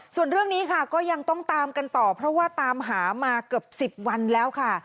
ส่วนเรื่องนี้ค่ะก็ยังต้องตามกันต่อเพราะว่าตามหามาเกือบ๑๐วันแล้วค่ะ